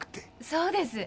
そうです。